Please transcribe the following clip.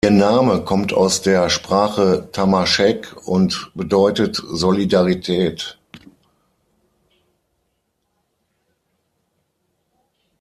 Ihr Name kommt aus der Sprache Tamascheq und bedeutet „Solidarität“.